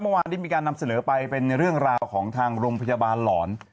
เมื่อวานที่มีการนำเสนอไปเป็นเรื่องราวของทางโรงพยาบาลหลอน